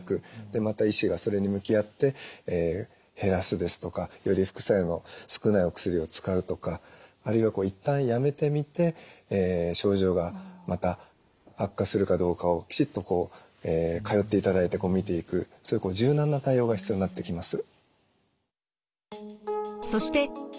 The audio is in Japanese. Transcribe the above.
でまた医師がそれに向き合って減らすですとかより副作用の少ないお薬を使うとかあるいはいったんやめてみて症状がまた悪化するかどうかをきちっと通っていただいてみていくそういう柔軟な対応が必要になってきます。